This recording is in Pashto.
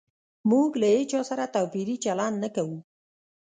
موږ له هيچا سره توپيري چلند نه کوو